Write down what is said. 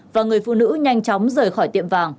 và người phụ nữ nhanh chóng rời khỏi tiệm vàng